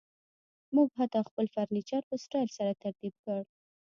موږ حتی خپل فرنیچر په سټایل سره ترتیب کړ